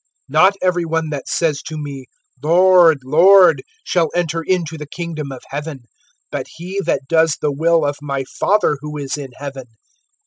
(21)Not every one that says to me, Lord, Lord, shall enter into the kingdom of heaven; but he that does the will of my Father who is in heaven.